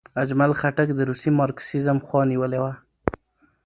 اجمل خټک د روسي مارکسیزم خوا نیولې وه.